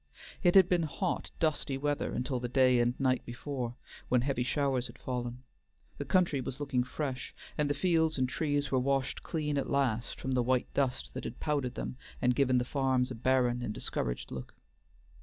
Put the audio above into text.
It had been hot, dusty weather until the day and night before, when heavy showers had fallen; the country was looking fresh, and the fields and trees were washed clean at last from the white dust that had powdered them and given the farms a barren and discouraged look.